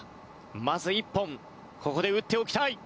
まず１本ここで打っておきたい。